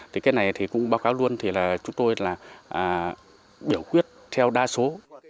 thì cái này thì cũng báo cáo luôn thì là chúng tôi là biểu quyết theo đa số